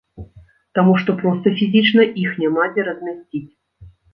Таму што проста фізічна іх няма дзе размясціць.